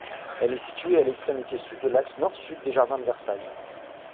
Elle est située à l'extrémité sud de l'axe nord-sud des jardins de Versailles.